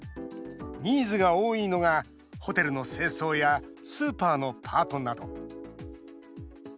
ニーズが多いのがホテルの清掃やスーパーのパートなど。